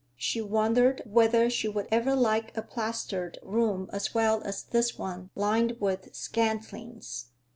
She wondered whether she would ever like a plastered room as well as this one lined with scantlings.